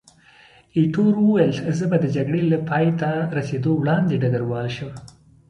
ایټور وویل، زه به د جګړې له پایته رسېدو وړاندې ډګروال شم.